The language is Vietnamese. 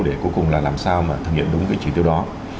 để cuối cùng là làm sao mà thực hiện đúng cái chỉ tiêu đó